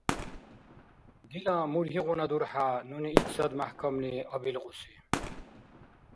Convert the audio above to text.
Дила мургьигъуна дурхӀя, нуни итцад мяхӀкамли абилкьуси!